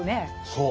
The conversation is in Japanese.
そう。